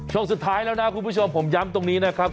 ช่วงสุดท้ายแล้วนะคุณผู้ชมผมย้ำตรงนี้นะครับ